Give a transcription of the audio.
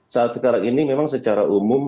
saat sekarang ini memang secara umum